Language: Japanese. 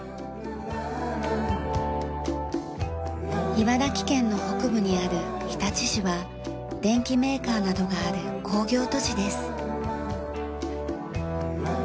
茨城県の北部にある日立市は電機メーカーなどがある工業都市です。